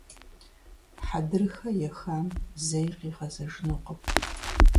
Хьэдрыхэ ехам зэи къигъэзэжынукъым.